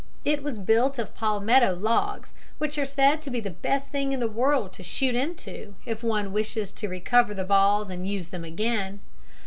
It was built of palmetto logs, which are said to be the best thing in the world to shoot into if one wishes to recover the balls and use them again.